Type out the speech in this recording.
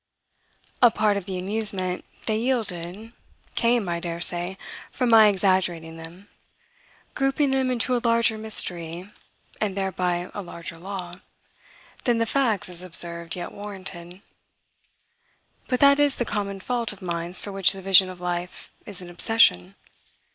A part of the amusement they yielded came, I daresay, from my exaggerating them grouping them into a larger mystery (and thereby a larger "law") than the facts, as observed, yet warranted; but that is the common fault of minds for which the vision of life is an obsession.